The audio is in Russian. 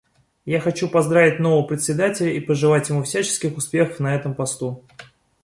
Я хочу поздравить нового Председателя и пожелать ему всяческих успехов на этом посту.